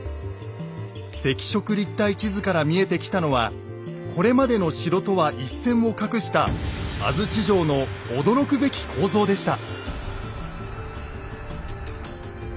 赤色立体地図から見えてきたのはこれまでの城とは一線を画した安土城の驚くべき構造でした。